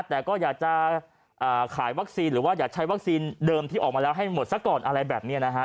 แต่ก็อยากจะขายวัคซีนหรือว่าอยากใช้วัคซีนเดิมที่ออกมาแล้วให้หมดซะก่อนอะไรแบบนี้นะฮะ